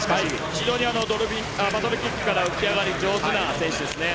非常にバサロキックから浮き上がりが上手な選手です。